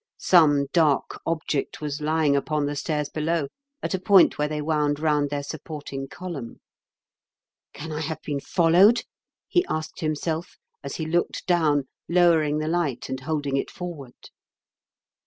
Some dark object was lying upon the stairs below, at a point where they wound round their supporting column. "Can I have been followed?" he asked himself, as he looked down, lowering the light and holding it forward.